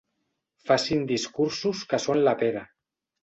Facin discursos que són la pera.